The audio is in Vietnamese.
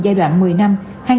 giai đoạn một mươi năm